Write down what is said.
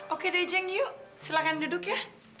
oke deh jang yuk silahkan duduk ya